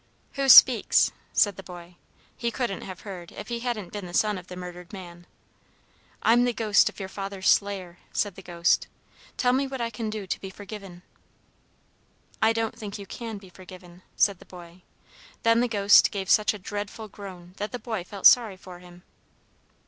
"'Who speaks?' said the boy. He couldn't have heard if he hadn't been the son of the murdered man. "'I'm the Ghost of your father's slayer,' said the Ghost. 'Tell me what I can do to be forgiven.' "'I don't think you can be forgiven,' said the boy. Then the Ghost gave such a dreadful groan that the boy felt sorry for him.